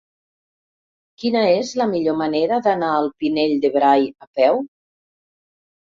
Quina és la millor manera d'anar al Pinell de Brai a peu?